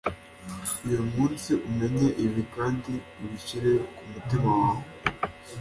Uyu munsi umenye ibi kandi ubishyire ku mutima wawe: